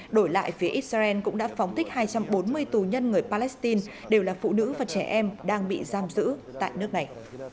đổi lại phía israel cũng đã phóng thích hai trăm bốn mươi tù nhân người palestine đều là phụ nữ và trẻ em đang bị giam giữ tại nước này